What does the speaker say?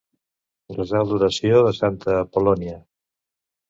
Resar l'oració de santa Apol·lònia.